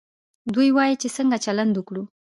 دوی وايي چې څنګه چلند وکړو.